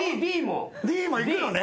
Ｄもいくのね？